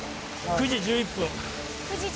９時１１分。